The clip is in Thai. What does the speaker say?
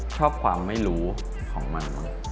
ชอบความไม่รู้ของมัน